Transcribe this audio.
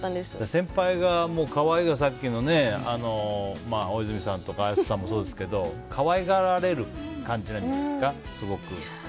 先輩がもう、可愛いから大泉さんとか綾瀬さんもそうですけど可愛がられる感じなんじゃないですか、すごく。